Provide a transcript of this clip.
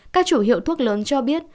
các chủ hiệu thuốc lớn cho biết